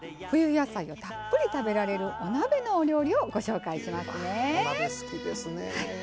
冬野菜をたっぷり食べられるお鍋のお料理をお鍋好きですね。